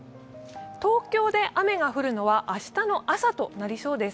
東京で雨が降るのは明日の朝となりそうです。